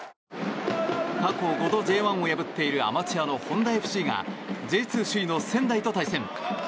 過去５度Ｊ１を破っているアマチュアのホンダＦＣがＪ２首位の仙台と対戦。